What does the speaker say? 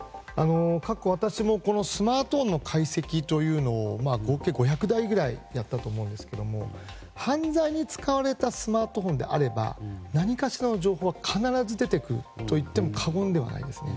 過去、私もスマートフォンの解析というのを合計５００台ぐらいやったと思うんですけど犯罪に使われたスマートフォンであれば何かしらの情報は必ず出てくると言っても過言ではないですね。